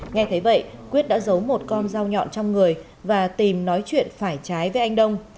nghe thấy vậy quyết đã giấu một con dao nhọn trong người và tìm nói chuyện phải trái với anh đông